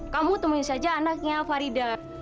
kamu temuin saja anaknya farida